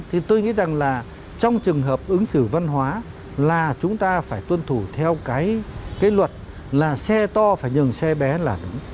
thì tôi nghĩ rằng là trong trường hợp ứng xử văn hóa là chúng ta phải tuân thủ theo cái luật là xe to phải nhường xe bé là đúng